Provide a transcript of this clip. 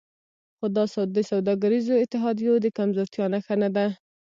خو دا د سوداګریزو اتحادیو د کمزورتیا نښه نه ده